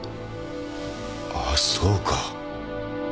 ああそうか。